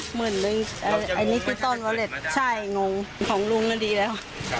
หมื่นลึงอ่ะอันนี้คือต้นใช่งงของลุงก็ดีแล้ว